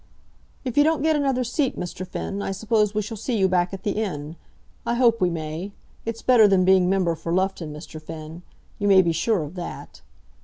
"If you don't get another seat, Mr. Finn, I suppose we shall see you back at the Inn. I hope we may. It's better than being member for Loughton, Mr. Finn; you may be sure of that."